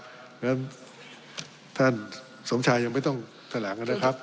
เพราะฉะนั้นท่านสมชายยังไม่ต้องแถลงนะครับ